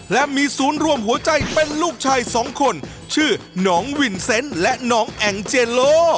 และมีศูนย์รวมหัวใจเป็นลูกชายสองคนชื่อน้องวินเซนต์และน้องแอ่งเจโล